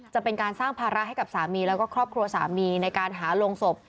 จะเป็นการสร้างภาระให้กับสามีแล้วก็ครอบครัวสามีในการหาโรงศพ